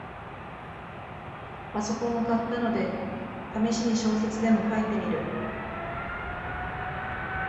パソコンを買ったので、ためしに小説でも書いてみる